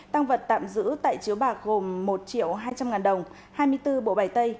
tăng vật tạm giữ tại chiếu bạc gồm một triệu hai trăm linh ngàn đồng hai mươi bốn bộ bày tay